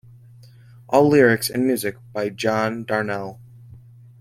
All lyrics and music by John Darnielle.